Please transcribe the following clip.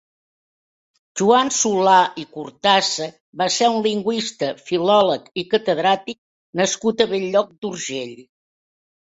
Joan Solà i Cortassa va ser un lingüista, filòleg i catedràtic nascut a Bell-lloc d'Urgell.